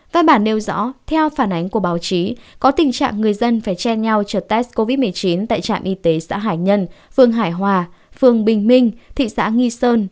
văn bản nêu rõ theo phản ánh của báo chí có tình trạng người dân phải chen nhau trượt test covid một mươi chín tại trạm y tế xã hải nhân phường hải hòa phường bình minh thị xã nghi sơn